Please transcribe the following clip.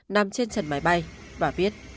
nằm trên trần máy bay và viết